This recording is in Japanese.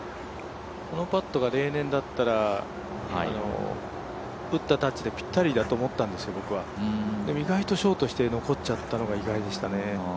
このパットが例年だったら打ったタッチでピッタリだったと思ったんです、僕は、ショートして残っちゃったのが意外でしたね。